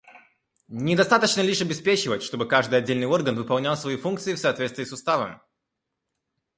Недостаточно лишь обеспечивать, чтобы каждый отдельный орган выполнял свои функции в соответствии с Уставом.